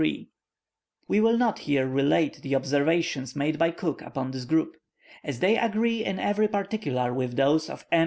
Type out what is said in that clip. ] We will not here relate the observations made by Cook upon this group. As they agree in every particular with those of M.